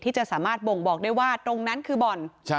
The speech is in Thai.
จะสามารถบ่งบอกได้ว่าตรงนั้นคือบ่อน